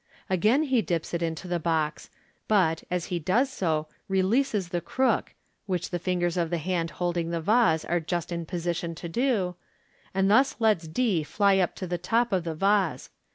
Again he dips it into the box, but, as he does so, releases the crook (which the fingers of the hand holding the vase are just in position to do), and thus lets d fly up to the top of the vase.